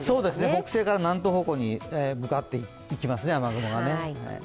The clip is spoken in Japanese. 北西から南東方向に向かっていきますね、雨雲が。